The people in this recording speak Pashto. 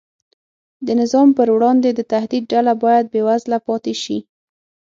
د نظام پر وړاندې د تهدید ډله باید بېوزله پاتې شي.